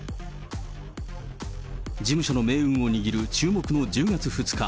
事務所の命運を握る注目の１０月２日。